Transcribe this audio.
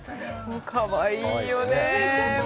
かわいいですよね。